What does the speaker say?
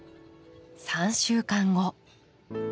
３週間後。